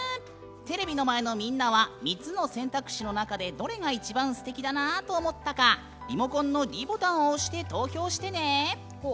テレビの前のみんなは３つの選択肢の中でどれが一番すてきだなと思ったかリモコンのｄボタンを押して投票してね。